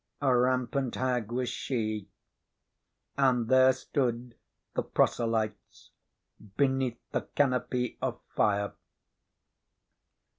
A rampant hag was she. And there stood the proselytes beneath the canopy of fire.